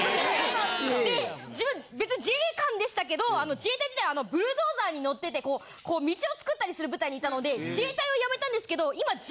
自分別に自衛官でしたけど自衛隊時代ブルドーザーに乗ってて道をつくったりする部隊にいたので自衛隊を辞めたんですけど今。